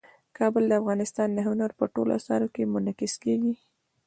کابل د افغانستان د هنر په ټولو اثارو کې منعکس کېږي.